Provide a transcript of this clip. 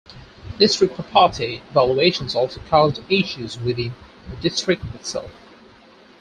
District property valuations also caused issues within the district itself.